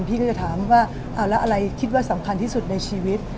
พี่ก็จะถามว่าเอาแล้วอะไรคิดว่าสำคัญที่สุดในชีวิต